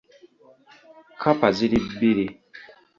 Kkapa ziri bbiri .